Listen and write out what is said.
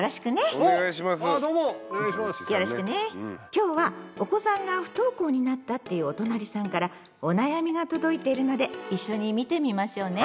今日はお子さんが不登校になったっていうおとなりさんからお悩みが届いてるので一緒に見てみましょうね。